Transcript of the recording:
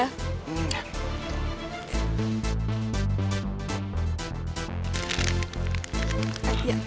mbay tepat dia